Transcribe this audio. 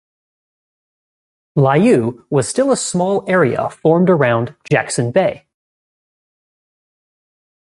Layou was still a small area formed around Jackson Bay.